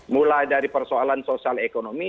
mulai dari persoalan sosial ekonomi